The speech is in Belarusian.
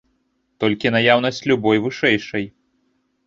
Толькі наяўнасць любой вышэйшай.